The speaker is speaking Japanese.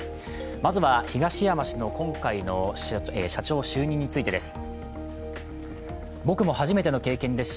まずは東山氏の今回の社長就任についてです。